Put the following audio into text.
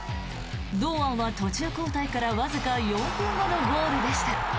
堂安は途中交代からわずか４分後のゴールでした。